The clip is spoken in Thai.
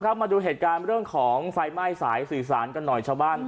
ครับมาดูเหตุการณ์ภายใบสายสื่อสารกันหน่อยชาวบ้าน